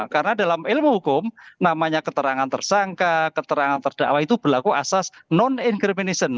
karena dalam ilmu hukum namanya keterangan tersangka keterangan terdakwa itu berlaku asas non incrimination